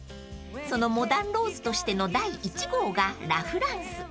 ［そのモダンローズとしての第１号がラフランス